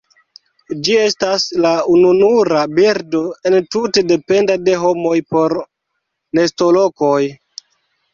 Ĝi estas la ununura birdo entute dependa de homoj por nestolokoj.